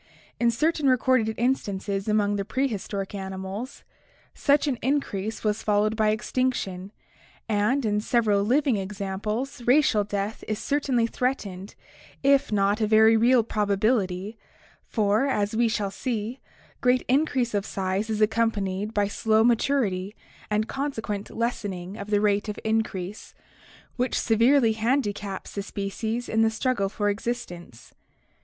In certain recorded instances among the prehistoric animals, such an increase was followed by extinction, and in several living examples racial death is certainly threatened if not a very real probability, for, as we shall see, great increase of size is accompanied by slow maturity and consequent lessening of the rate of increase, which severely handicaps the species in the struggle for existence.